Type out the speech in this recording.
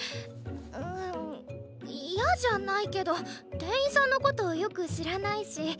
うーん嫌じゃないけど店員さんのことよく知らないし。